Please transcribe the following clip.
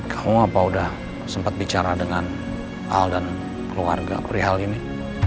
kamu apa udah sempat bicara dengan al dan keluarga perihal ini